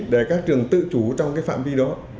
để các trường tự chủ trong cái phạm vi đó